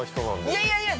◆いやいやいや！